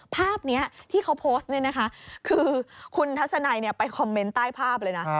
ภาพนี้ที่เขาโพสต์นี่นะคะคือคุณทัศนัยไปคอมเมนต์ใต้ภาพเลยนะ